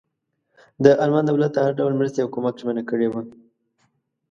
د المان دولت د هر ډول مرستې او کمک ژمنه کړې وه.